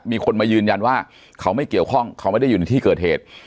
มีคนมายืนยันว่าเขาไม่เกี่ยวข้องเขาไม่ได้อยู่ในที่เกิดเหตุ